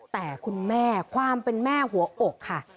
แต่คุณแม่ความเป็นแม่หัวอกค่ะ